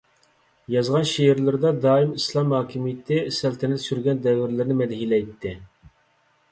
يازغان شېئىرلىرىدا دائىم ئىسلام ھاكىمىيىتى سەلتەنەت سۈرگەن دەۋرلىرىنى مەدھىيەلەيتتى.